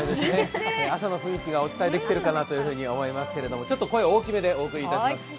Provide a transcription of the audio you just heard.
朝の雰囲気がお伝えできているかなと思いますけれども、ちょっと声大きめでお送りしていきます。